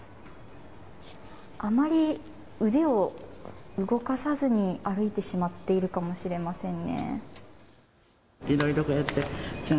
あまり腕を動かさずに歩いているかもしれません。